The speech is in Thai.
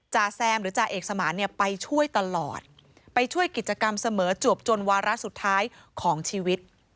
แซมหรือจ่าเอกสมานเนี่ยไปช่วยตลอดไปช่วยกิจกรรมเสมอจวบจนวาระสุดท้ายของชีวิต